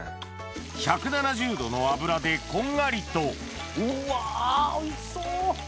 １７０℃の油でこんがりとうわおいしそう！